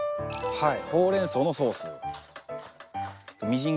はい。